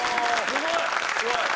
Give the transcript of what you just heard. すごい。